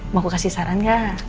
mau aku kasih saran gak